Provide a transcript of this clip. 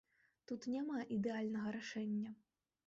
Тут няма ідэальнага рашэння.